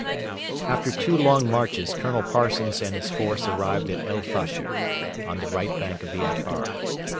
After two long marches Colonel Parsons and his force arrived at El Fasher, on the right bank of the Atbara.